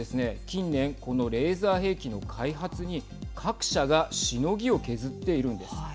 近年このレーザー兵器の開発に各社がしのぎを削っているんです。